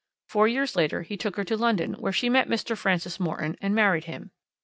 Four years later he took her to London, where she met Mr. Francis Morton and married him.